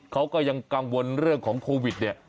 เขาก็ยังกังวลเรื่องของโควิดเนี่ย